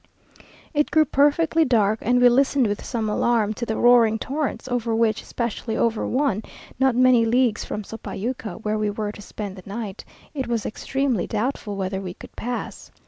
It grew perfectly dark, and we listened with some alarm to the roaring torrents, over which, especially over one, not many leagues from Sopayuca, where we were to spend the night, it was extremely doubtful whether we could pass.